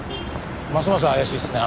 ますます怪しいですね